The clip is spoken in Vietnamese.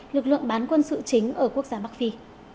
lực lượng bán quân sự chính ở quốc gia bắc phi